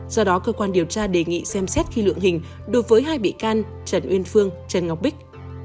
do đó cơ quan điều tra đề nghị xem xét khi lượng hình đối với hai bị can trần uyên phương trần ngọc bích